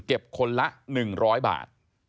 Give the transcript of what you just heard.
เก็บคนละ๑๐๐บาท